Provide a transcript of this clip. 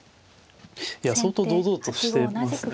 いや相当堂々としてますね。